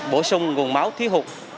bổ sung nguồn máu thiếu hụt